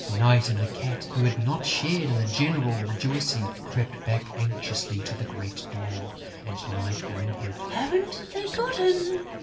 Night and the Cat, who had not shared in the general rejoicing, crept back anxiously to the great door; and Night whimpered: "Haven't they got him?..."